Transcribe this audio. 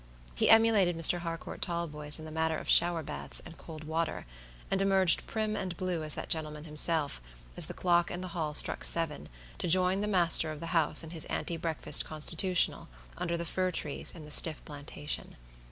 He emulated Mr. Harcourt Talboys in the matter of shower baths and cold water, and emerged prim and blue as that gentleman himself, as the clock in the hall struck seven, to join the master of the house in his ante breakfast constitutional under the fir trees in the stiff plantation.